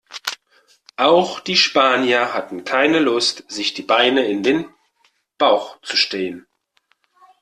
Auch die Spanier hatten keine Lust, sich die Beine in den Bauch zu stehen.